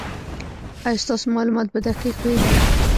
ایا ستاسو معلومات به دقیق وي؟